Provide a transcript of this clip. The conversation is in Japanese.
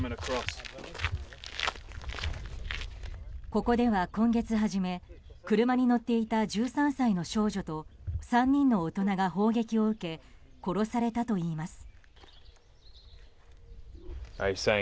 ここでは今月初め車に乗っていた１３歳の少女と３人の大人が砲撃を受け殺されたといいます。